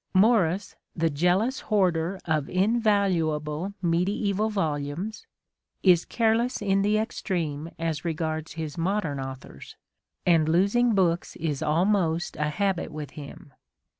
Morris, the jealous hoarder of invaluable mediaeval volumes, is careless in the extreme as regards his modern authors, and losing books is almost a habit with him.